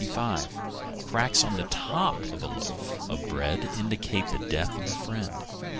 Cracks on the top of a loaf of bread indicate the death of a friend.